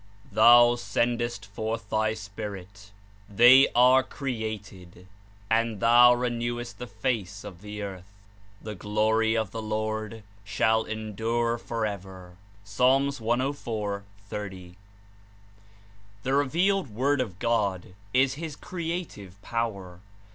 "Thou scudcst forth thy spirit, they are created; And thou retieziest the face of the earth. The glory of the Lord shall endure forever.'' (Ps. 104. 30.) The revealed Word of God is his creative power.